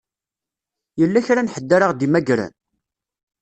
Yella kra n ḥedd ara ɣ-d-imagren?